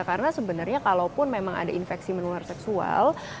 karena sebenarnya kalau pun memang ada infeksi menular seksual